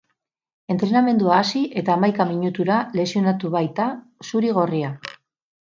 Entrenamendua hasi eta hamaika minutura lesionatu baita zuri-gorria.